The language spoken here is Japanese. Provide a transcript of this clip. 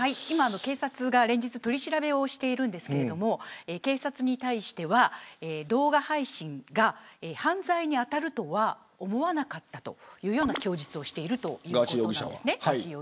警察が連日取り調べをしていますが警察に対しては動画配信が犯罪に当たるとは思わなかったと供述をしているということです。